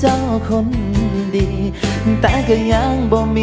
มาขอมูลนะครับ